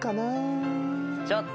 ちょっと。